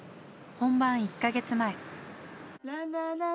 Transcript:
本番１か月前。